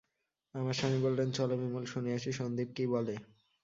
আমার স্বামী বললেন, চলো বিমল, শুনে আসি সন্দীপ কী বলে।